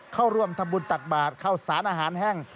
เข้าร่วมทำบุญตักบาทเข้าสารอาหารแห้ง